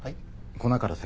粉から先？